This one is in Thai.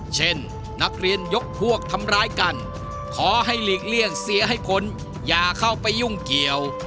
เช่นนักเรียนยกพวกทำร้ายกันขอให้หลีกเลี่ยงเสียให้พ้นอย่าเข้าไปยุ่งเกี่ยว